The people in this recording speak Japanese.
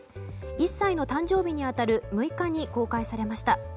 １歳の誕生日に当たる６日に公開されました。